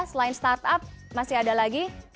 selain startup masih ada lagi